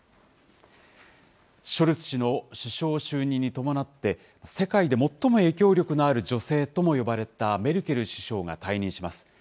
ショルツ氏の首相就任に伴って、世界で最も影響力のある女性とも呼ばれたメルケル首相が退任します。